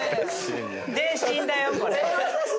伝心だよこれ。